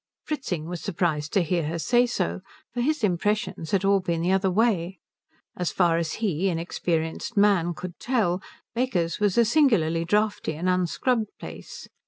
Fritzing was surprised to hear her say so, for his impressions had all been the other way. As far as he, inexperienced man, could tell, Baker's was a singularly draughty and unscrubbed place.